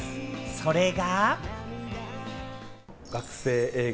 それが。